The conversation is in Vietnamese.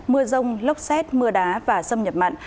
mưa rông lốc xét mưa đá và xâm nhập mặn